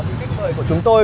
vì cách mời của chúng tôi